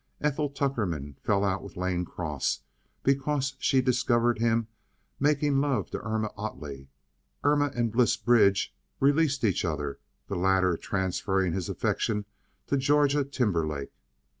Ethel Tuckerman fell out with Lane Cross, because she discovered him making love to Irma Ottley. Irma and Bliss Bridge released each other, the latter transferring his affections to Georgia Timberlake.